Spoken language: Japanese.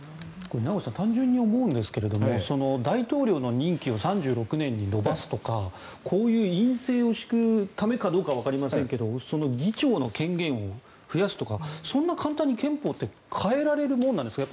単純に思うんですけど大統領の任期を３６年に延ばすとかこういう院政を敷くためかどうかはわかりませんが議長の権限を増やすとかそんな簡単に憲法って変えられるものなんですか？